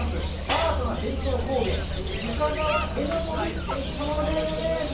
アートな伝統工芸須賀川絵のぼりといったものです。